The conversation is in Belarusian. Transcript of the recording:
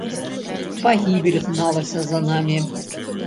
Пагібель гналася за намі.